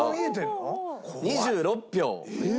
２６票。